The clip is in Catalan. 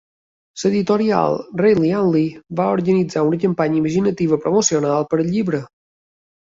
L'editorial Reilly and Lee va organitzar una campanya imaginativa promocional per al llibre.